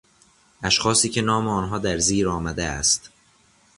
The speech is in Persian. اشخاصی که نام آنها در زیر آمده است.